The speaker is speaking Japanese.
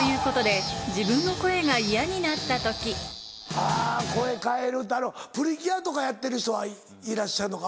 あぁ声変えるって『プリキュア』とかやってる人はいらっしゃるのか？